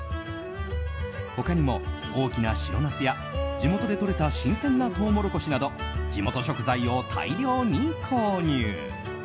他にも大きな白ナスや地元でとれた新鮮なトウモロコシなど地元食材を大量に購入。